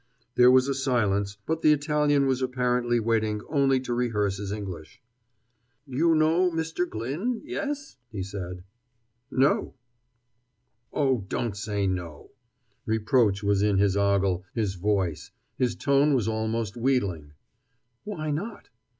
There was a silence, but the Italian was apparently waiting only to rehearse his English. "You know Mr. Glyn yes?" he said. "No." "Oh, don't say 'no'!" Reproach was in his ogle, his voice. His tone was almost wheedling. "Why not?"